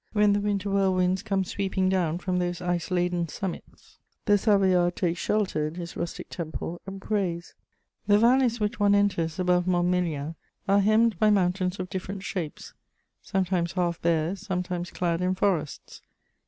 When the winter whirlwinds come sweeping down from those ice laden summits, the Savoyard takes shelter in his rustic temple and prays. The valleys which one enters above Montmélian are hemmed by mountains of different shapes, sometimes half bare, sometimes clad in forests.